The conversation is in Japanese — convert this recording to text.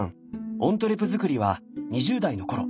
オントゥレ作りは２０代のころ